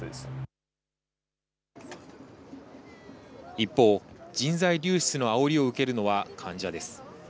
一方、人材流出のあおりを受けるのは患者です。